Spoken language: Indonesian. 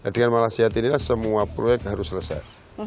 dengan malah sehat inilah semua proyek harus selesai